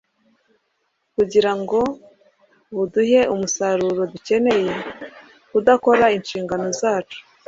kugira ngo buduhe umusaruro dukeneye. Kudakora inshingano zacu